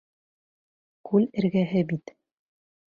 Күл эргәһе бит.